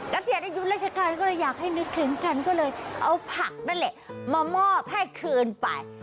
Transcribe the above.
เกษียณอายุราชการก็เลยอยากให้นึกถึงกันก็เลยเอาผักนั่นแหละมามอบให้คืนไป